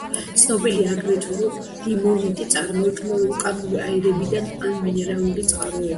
ცნობილია აგრეთვე, რომ ლიმონიტი წარმოიქმნება ვულკანური აირებიდან ან მინერალური წყაროებიდან.